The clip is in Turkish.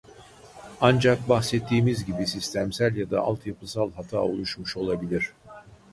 Ancak bahsettiğimiz gibi sistemsel ya da alt yapısal hata oluşmuş olabilir